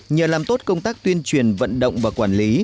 nhờ làm tốt công tác tuyên truyền vận động và quản lý